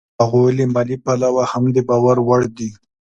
هغوی له مالي پلوه هم د باور وړ دي